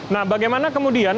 nah bagaimana kemudian